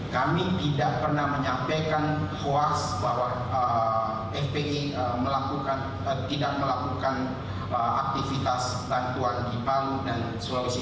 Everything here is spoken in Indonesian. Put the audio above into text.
kami tidak pernah menyampaikan puas bahwa fpi tidak melakukan aktivitas bantuan di palu dan sulawesi